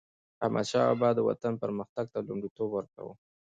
احمدشاه بابا به د وطن پرمختګ ته لومړیتوب ورکاوه.